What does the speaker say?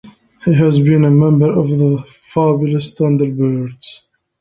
He has been a member of the Fabulous Thunderbirds.